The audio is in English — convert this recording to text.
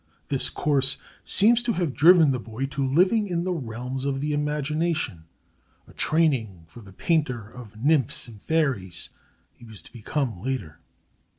This course seems to have driven the boy to living in the realms of the imagination, a training for the painter of nymphs and fairies he was to become later.